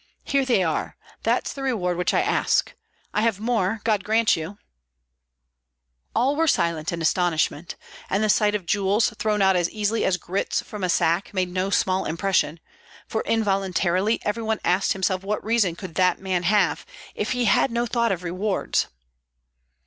Here they are That's the reward which I ask. I have more, God grant you " All were silent in astonishment, and the sight of jewels thrown out as easily as grits from a sack made no small impression; for involuntarily every one asked himself what reason could that man have, if he had no thought of rewards?